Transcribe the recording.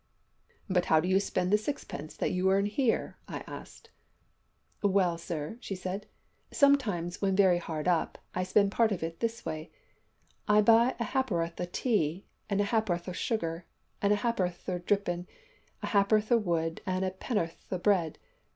"`But how do you spend the sixpence that you earn here?' I asked. "`Well, sir,' she said, `sometimes, when very hard up, I spend part of it this way: I buy a hap'orth o' tea, a hap'orth o' sugar, a hap'orth o' drippin', a hap'orth o' wood and a penn'orth o' bread.